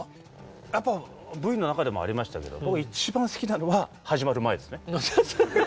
やっぱＶの中でもありましたけど僕一番好きなのは始まる前ですね。